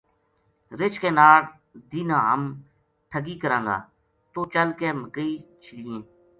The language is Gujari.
رچھ کے ناڑ دینہنا ہم ٹھگی کراں گا توہ چل کے مکئی چھلینے